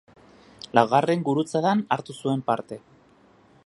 Laugarren Gurutzadan hartu zuen parte.